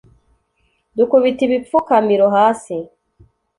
dukubita ibipfukamiro hasi